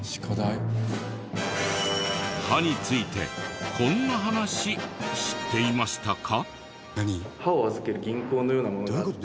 歯についてこんな話知っていましたか？